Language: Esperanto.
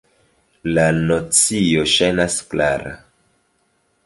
La nocio ŝajnas klara“.